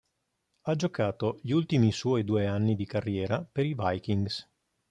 Ha giocato gli ultimi suoi due anni di carriera per i Vikings.